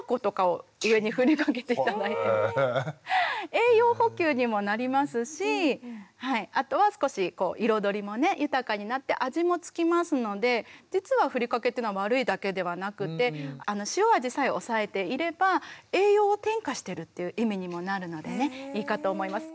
栄養補給にもなりますしあとは少し彩りもね豊かになって味もつきますので実はふりかけっていうのは悪いだけではなくて塩味さえおさえていれば栄養を添加してるっていう意味にもなるのでねいいかと思います。